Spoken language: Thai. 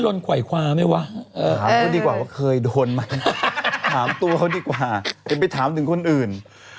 ผมเคยไปถามถึงคนอื่น